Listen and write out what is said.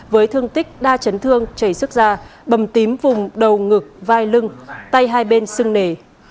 với thương tích đa chấn thương chảy sức da bầm tím vùng đầu ngực vai lưng tay hai bên sưng nề